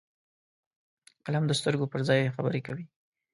قلم د سترګو پر ځای خبرې کوي